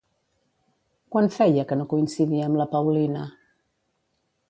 Quan feia que no coincidia amb la Paulina?